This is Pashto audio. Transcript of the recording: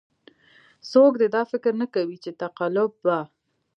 څوک دې دا فکر نه کوي چې تقلب به.